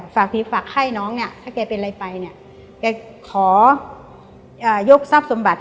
ฝากผีฝากไข้น้องเนี่ยถ้าแกเป็นอะไรไปเนี่ยแกขอยกทรัพย์สมบัติ